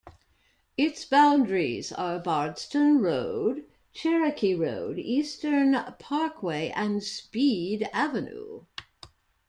Its boundaries are Bardstown Road, Cherokee Road, Eastern Parkway and Speed Avenue.